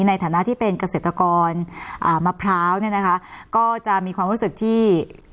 ในฐานะที่เป็นเกษตรกรอ่ามะพร้าวเนี่ยนะคะก็จะมีความรู้สึกที่